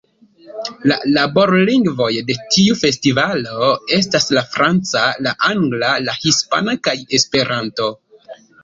La laborlingvoj de tiu festivalo estas la franca, la angla, la hispana kaj Esperanto.